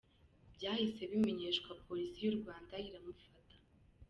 Byahise bimenyeshwa Polisi y’u Rwanda iramufata."